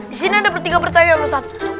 disini ada tiga pertanyaan ustadz